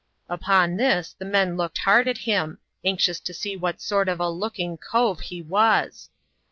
Upnon this, the men looked hard at him, anxious to see what sort of a looking ''cove" he was.